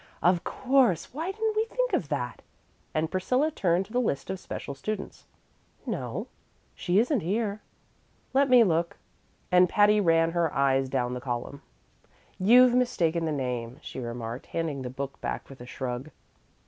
"Of course! Why didn't we think of that?" And Priscilla turned to the list of special students. "No; she isn't here." "Let me look"; and Patty ran her eyes down the column. "You've mistaken the name," she remarked, handing the book back with a shrug.